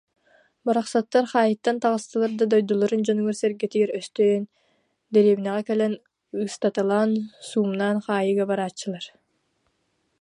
Барахсаттар хаайыыттан таҕыстылар да дойдуларын дьонугар-сэргэтигэр өстүйэн, дэриэбинэҕэ кэлэн ыыстаталаан, суумнаан, хаайыыга барааччылар